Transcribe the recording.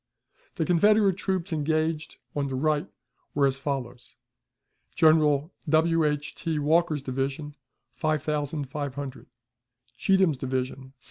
The Confederate troops engaged on the right were as follows: General W. H. T. Walker's division ..... 5,500 Cheatham's division ....